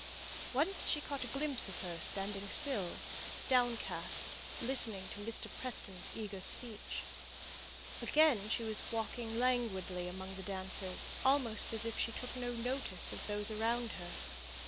Once she caught a glimpse of her standing still downcast listening to Mr. Preston's eager speech. Again she was walking languidly among the dancers, almost as if she took no notice of those around her.